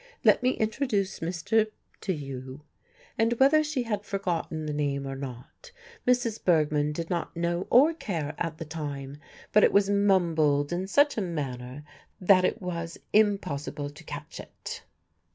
"Let me introduce Mr. to you." And whether she had forgotten the name or not, Mrs. Bergmann did not know or care at the time, but it was mumbled in such a manner that it was impossible to catch it.